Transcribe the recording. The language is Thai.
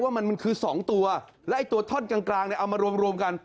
ว่ามันคือ๒ตัวและไอ้ตัวท่อนกลางเนี่ยเอามารวมกัน